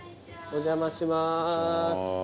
お邪魔しまーす。